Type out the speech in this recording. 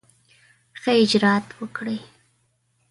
ښه اجرآت وکړي.